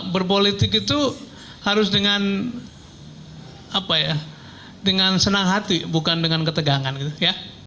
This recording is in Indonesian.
berpolitik itu harus dengan apa ya dengan senang hati bukan dengan ketegangan gitu ya